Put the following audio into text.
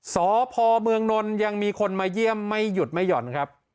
สพเมืองนนท์ยังมีคนมาเยี่ยมไม่หยุดไม่หย่อนครับ